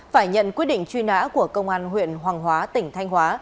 phải nhận quyết định truy nã của công an huyện hoàng hóa tỉnh thanh hóa